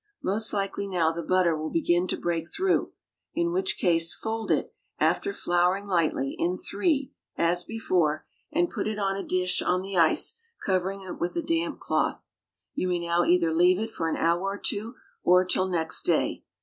Most likely now the butter will begin to break through, in which case fold it, after flouring lightly, in three, as before, and put it on a dish on the ice, covering it with a damp cloth. You may now either leave it for an hour or two, or till next day.